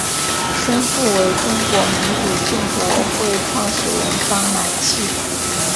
生父为中国民主建国会创始人章乃器。